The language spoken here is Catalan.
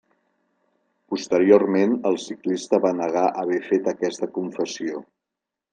Posteriorment el ciclista va negar haver fet aquesta confessió.